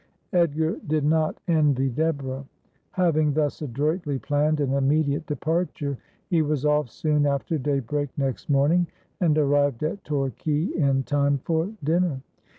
Edgar did not envy Deborah. Having thus adroitly planned an immediate departure he was off soon after daybreak next morning, and arrived at Torquay in time for dinner.